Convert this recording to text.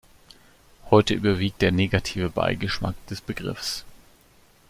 Heute überwiegt der negative Beigeschmack des Begriffs.